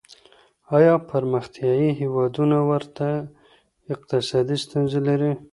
آيا پرمختيايي هيوادونه ورته اقتصادي ستونزې لري؟